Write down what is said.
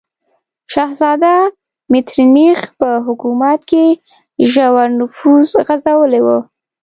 شهزاده میترنیخ په حکومت کې ژور نفوذ غځولی و.